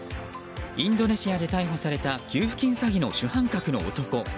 インドネシアで逮捕された給付金詐欺の主犯格の男。